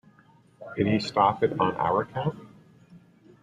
Did he stop it on our account?